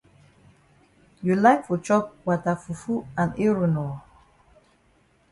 You like for chop wata fufu and eru nor?